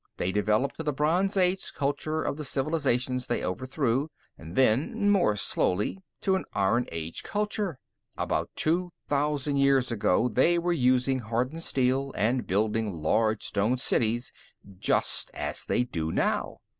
They developed to the bronze age culture of the civilizations they overthrew, and then, more slowly, to an iron age culture. About two thousand years ago, they were using hardened steel and building large stone cities, just as they do now.